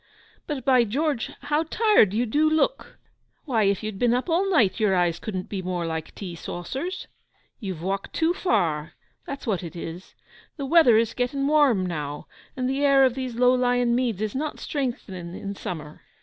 But, by George, how tired you dew look! Why, if you'd been up all night your eyes couldn't be more like tea saucers. You've walked tew far, that's what it is. The weather is getting warm now, and the air of these low lying meads is not strengthening in summer.